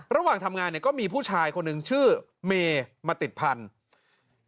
ระหว่างทำงานเนี่ยก็มีผู้ชายคนหนึ่งชื่อเมย์มาติดพันธุ์